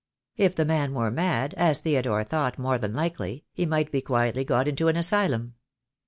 If the man were mad, as Theodore thought more than likely, he might be quietly got into an asylum.